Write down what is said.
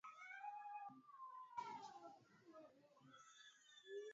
Hajavaa viatu na anaenda nje